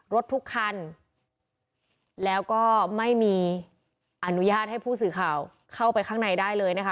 รถทุกคันแล้วก็ไม่มีอนุญาตให้ผู้สื่อข่าวเข้าไปข้างในได้เลยนะคะ